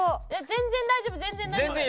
全然大丈夫全然大丈夫。